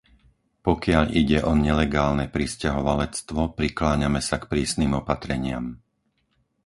Pokiaľ ide o nelegálne prisťahovalectvo, prikláňame sa k prísnym opatreniam.